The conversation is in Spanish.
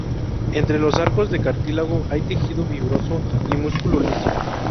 Entre los arcos de cartílago hay tejido fibroso y músculo liso.